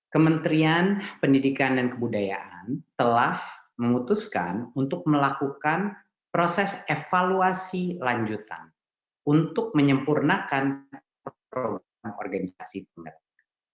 kementerian pendidikan dan kebudayaan telah memutuskan untuk melakukan proses evaluasi lanjutan untuk menyempurnakan program organisasi pemerintah